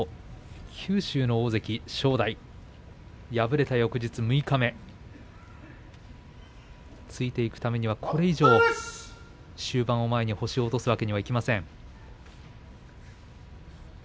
九州の大関、正代敗れた翌日、六日目の土俵ついていくためにはこれ以上終盤の前に星を落とすわけにはいきません。